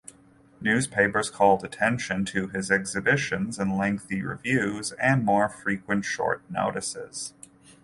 Newspapers called attention to his exhibitions in lengthy reviews and more frequent short notices.